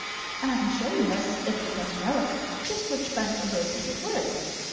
"And I can show you, miss, if you care to know it just which bunch of roses it were."